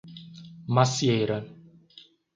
Macieira